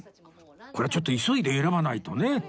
こりゃちょっと急いで選ばないとね